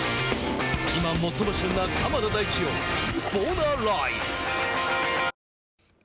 今、最も旬な鎌田大地をボナライズ！